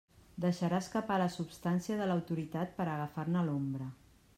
Deixarà escapar la substància de l'autoritat per a agafar-ne l'ombra.